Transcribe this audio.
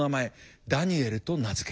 ダニエルと名付けた。